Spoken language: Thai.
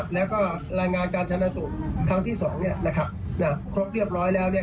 แล้วก็รายงานการชนะสูตรครั้งที่สองเนี่ยนะครับครบเรียบร้อยแล้วเนี่ย